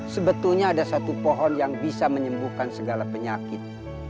sebetulnya ada satu pohon yang bisa menyembuhkan segala penyakit